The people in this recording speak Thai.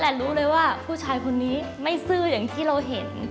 แต่รู้เลยว่าผู้ชายคนนี้ไม่ซื่ออย่างที่เราเห็น